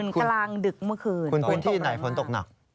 มันกลางดึกเมื่อคืนคุณพื้นที่ไหนฝนตกหนัก